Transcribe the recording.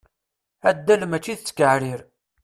Addal mačči d ttkeɛrir.